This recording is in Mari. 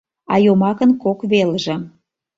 А йомакын кок велже